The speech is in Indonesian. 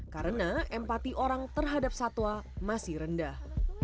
karena empati orang terhadap satwa masih rendah